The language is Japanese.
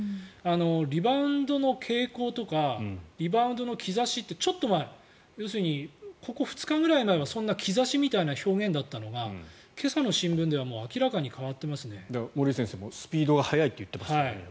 リバウンドの傾向とかリバウンドの兆しってちょっと前、ここ２日ぐらい前はそんな兆しみたいな表現だったのが今朝の新聞では森内先生もスピードが変わっているといいました。